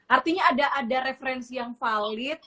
artinya ada referensi yang valid